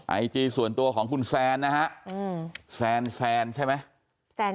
ไอจีส่วนตัวของคุณแซนนะฮะแซนใช่ไหม